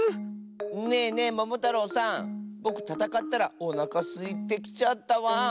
ねえねえももたろうさんぼくたたかったらおなかすいてきちゃったワン。